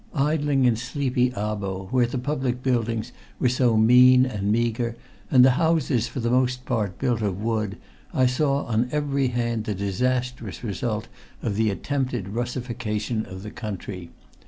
Idling in sleepy Abo, where the public buildings were so mean and meager and the houses for the most part built of wood, I saw on every hand the disastrous result of the attempted Russification of the country.